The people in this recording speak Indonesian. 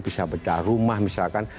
bisa berdarumah misalkan